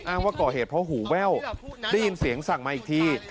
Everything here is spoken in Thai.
ว่าก่อเหตุเพราะหูแว่วได้ยินเสียงสั่งมาอีกที